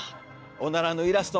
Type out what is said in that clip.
おならのイラスト？